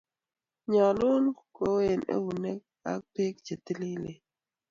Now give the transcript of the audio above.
nyalun ke un eunek ak bek chetililen